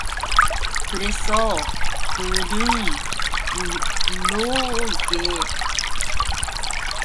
그래서 그는 이렇게 숨어 걷지 않고는 견디지 못하였다.